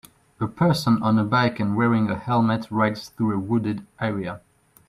A person on a bike and wearing a helmet rides through a wooded area